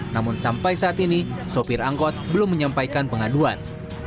namun sampai saat ini sopir angkot belum menyampaikan pengaduan